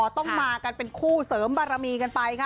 ต้องมากันเป็นคู่เสริมบารมีกันไปค่ะ